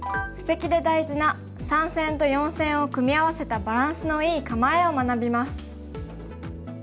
布石で大事な３線と４線を組み合わせたバランスのいい構えを学びます。